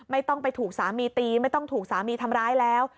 ไม่ต้องไปถูกสามีตีไม่ต้องถูกสามีทำร้ายแล้ว